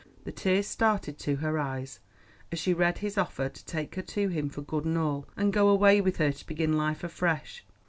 The tears started to her eyes as she read his offer to take her to him for good and all, and go away with her to begin life afresh.